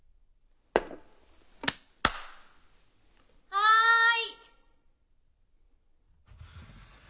・はい。